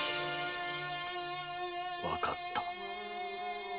わかった。